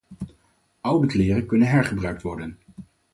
Oude kleren kunnen hergebruikt worden